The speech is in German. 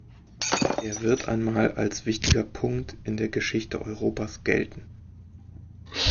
Er wird einmal als wichtiger Punkt in der Geschichte Europas gelten.